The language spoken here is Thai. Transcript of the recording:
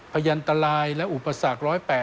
ยันตรายและอุปสรรค๑๐๘